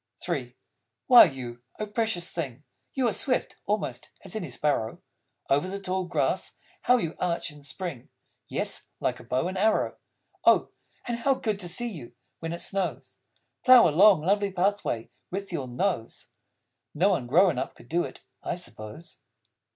III Why you, O Precious Thing, You are swift (almost) as any Sparrow. Over the tall grass how you arch and spring, Yes, like a bow and arrow! Oh, and how good to see you, when it snows, Plough a long, lovely pathway with your nose! (No one grown up could do it, I suppose.)